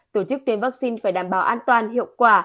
tổ chức tiêm vaccine phải đảm bảo an toàn hiệu quả